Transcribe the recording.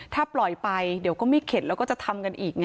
ถ้าปล่อยไปเดี๋ยวก็ไม่เข็ดแล้วก็จะทำกันอีกไง